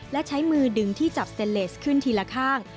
และใช้มือดึงที่จับเตนเลสขึ้นทีละข้าง